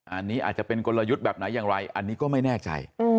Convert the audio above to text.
อันนี้อาจจะเป็นกลยุทธ์แบบไหนอย่างไรอันนี้ก็ไม่แน่ใจ